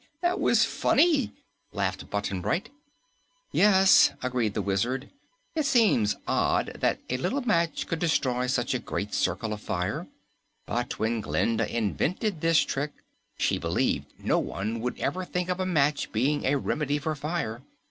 "That was funny!" laughed Button Bright. "Yes," agreed the Wizard, "it seems odd that a little match could destroy such a great circle of fire, but when Glinda invented this trick, she believed no one would ever think of a match being a remedy for fire.